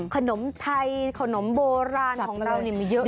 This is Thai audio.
ขนมไทยขนมโบราณของเรานี่มีเยอะแยะมาก